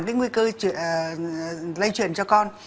giảm cái nguy cơ lây chuyển cho con